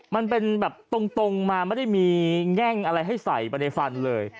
มันเป็นแบบตรงมาไม่ได้มีแง่งอะไรให้ใส่ไปในฟันเลย